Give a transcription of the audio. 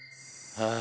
ああ。